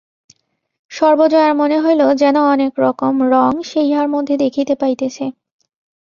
সর্বজয়ার মনে হইল যেন অনেক রকম রং সে ইহার মধ্যে দেখিতে পাইতেছে।